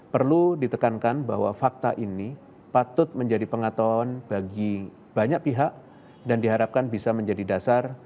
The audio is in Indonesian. perlu ditekankan bahwa fakta ini patut menjadi pengatauan bagi banyak pihak dan diharapkan bisa menjadi dasar